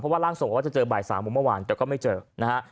เพราะว่าร่างส่งว่าจะเจอตัวสักประมาณ๓โมงเย็นของเมื่อวานแต่ก็ไม่เจอนะ